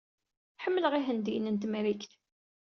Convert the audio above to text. Ḥemmleɣ Ihendiyen n Temrikt.